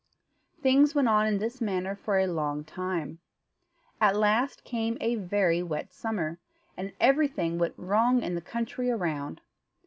Things went on in this manner for a long time. At last came a very wet summer, and everything went wrong in the country around.